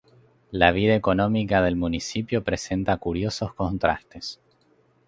La vida económica del municipio presenta curiosos contrastes.